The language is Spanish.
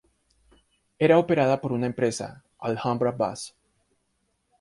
Era operada por la empresa Alhambra Bus.